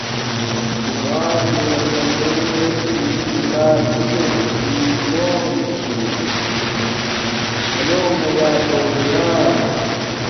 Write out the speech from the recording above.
تو ما چونے پونݵ چونی کتاب کسک چھی کونی چھی۔ شی لونݣ یا پروگراما